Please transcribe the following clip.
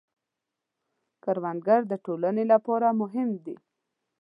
کروندګر د ټولنې لپاره مهم دی